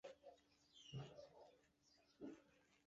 圣布里苏什是葡萄牙贝雅区的一个堂区。